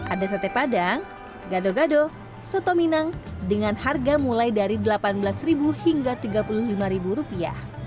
ada sate padang gado gado soto minang dengan harga mulai dari rp delapan belas hingga rp tiga puluh lima rupiah